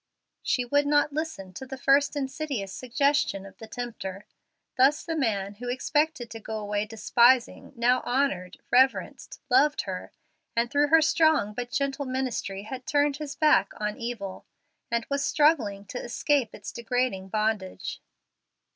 She would not listen to the first insidious suggestion of the tempter. Thus the man who expected to go away despising now honored, reverenced, loved her, and through her strong but gentle ministry had turned his back on evil, and was struggling to escape its degrading bondage.